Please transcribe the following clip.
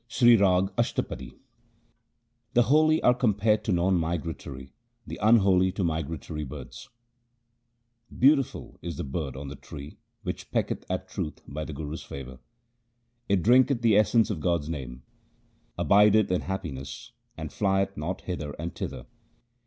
Sri Rag Ashtapadi The holy are compared to non migratory, the unholy to migratory birds :— Beautiful is the bird 1 on the tree 2 , which pecketh at truth by the Guru's favour. It drinketh the essence of God's name, abideth in happi ness, and flieth not hither and thither.